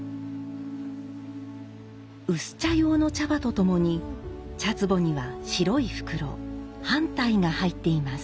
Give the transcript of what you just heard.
薄茶用の茶葉とともに茶壺には白い袋「半袋」が入っています。